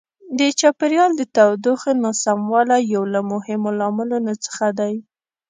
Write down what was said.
د چاپیریال د تودوخې ناسموالی یو له مهمو لاملونو څخه دی.